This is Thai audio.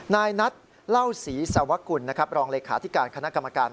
นายนัทเล่าศรีสวกุลรองเลขาธิการคณะกรรมการ